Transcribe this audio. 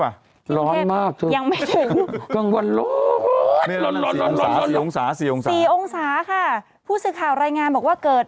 นาวมากอีนถนนเหมือยขาบมาโอ๊ยที่เหมือยขาบนี่ค่ะมาแล้ว